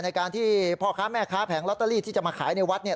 ในการที่พ่อค้าแม่ค้าแผงลอตเตอรี่ที่จะมาขายในวัด